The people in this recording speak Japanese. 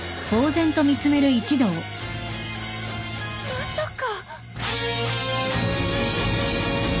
まさか。